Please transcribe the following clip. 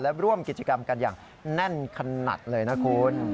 และร่วมกิจกรรมกันอย่างแน่นขนาดเลยนะคุณ